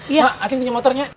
mak acing punya motornya